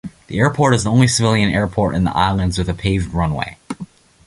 The airport is the only civilian airport in the islands with a paved runway.